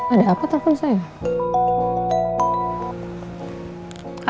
ada apa telepon saya